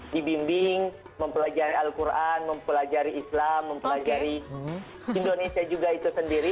dibimbing mempelajari al quran mempelajari islam mempelajari indonesia juga itu sendiri